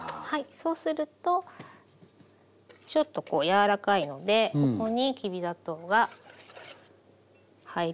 そうするとちょっとこう柔らかいのでここにきび砂糖が入りやすくなります。